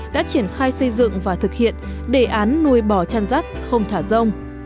đã triển khai xây dựng và thực hiện đề án nuôi bò chăn rắt không thả rông